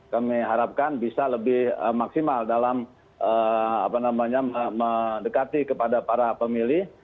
kami harapkan bisa lebih maksimal dalam mendekati kepada para pemilih